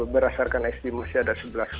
berdasarkan estimasi ada sebelas empat puluh lima